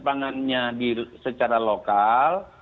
pangannya secara lokal